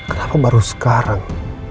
kenapa baru sekarang